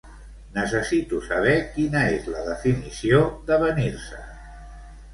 Necessito saber quina és la definició d'avenir-se.